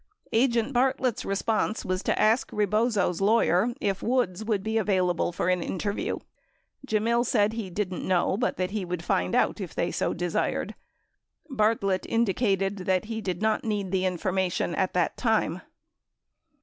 Agent Bartlett's response was to ask Rebozo's lawyer if Woods would be available for an interview. Gemmill said he didn't know but that he would find out if they so desired. Bartlett indicated that he did not need the information at that time.